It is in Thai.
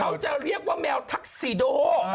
เค้าจะเรียกแมวดำทักซีโด